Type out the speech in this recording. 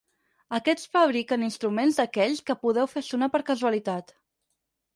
Aquests fabriquen instruments d'aquells que podeu fer sonar per casualitat.